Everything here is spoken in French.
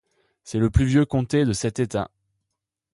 C'est le plus vieux comté de cet État.